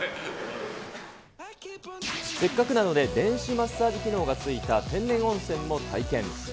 せっかくなので電子マッサージ機能がついた天然温泉も体験。